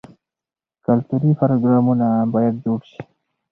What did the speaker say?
کلتوري پروګرامونه باید جوړ شي.